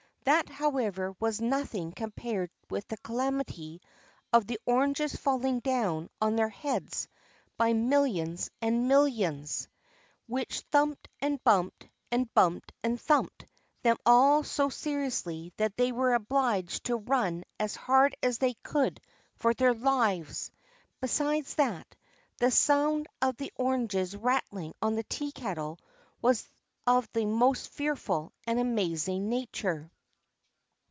That, however, was nothing compared with the calamity of the oranges falling down on their heads by millions and millions, which thumped and bumped and bumped and thumped them all so seriously that they were obliged to run as hard as they could for their lives; besides that, the sound of the oranges rattling on the tea kettle was of the most fearful and amazing nature.